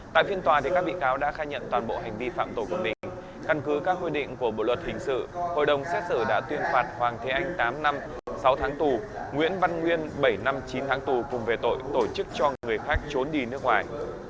tại phiên tòa các bị cáo đã khai nhận toàn bộ hành vi phạm tội của mình căn cứ các quy định của bộ luật hình sự hội đồng xét xử đã tuyên phạt hoàng thế anh tám năm sáu tháng tù nguyễn văn nguyên bảy năm chín tháng tù cùng về tội tổ chức cho người khác trốn đi nước ngoài